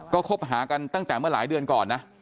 ก็คบหากันตั้งแต่เมื่อหลายเดือนก่อนนะ